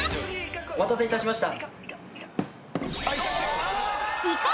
お待たせいたしました。